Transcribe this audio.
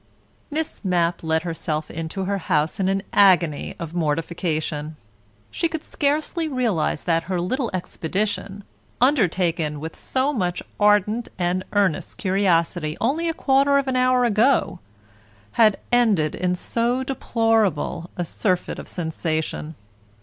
Miss Mapp let herself into her house in an agony of mortification. She could scarcely realize that her little expedition, undertaken with so much ardent and earnest curiosity only a quarter of an hour ago, had ended in so deplorable a surfeit of sensation.